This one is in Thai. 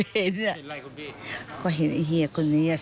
ได้นำเรื่องราวมาแชร์ในโลกโซเชียลจึงเกิดเป็นประเด็นอีกครั้ง